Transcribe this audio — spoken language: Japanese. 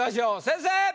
先生！